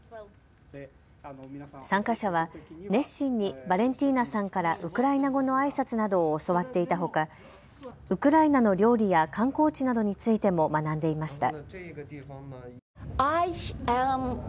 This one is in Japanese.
参加者は熱心にバレンティーナさんからウクライナ語のあいさつなどを教わっていたほかウクライナの料理や観光地などについても学んでいました。